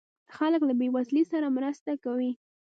خلک له بې وزلو سره مرسته کوي.